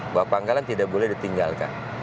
bahwa pangkalan tidak boleh ditinggalkan